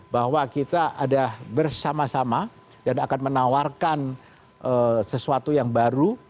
bahwa kita ada bersama sama dan akan menawarkan sesuatu yang baru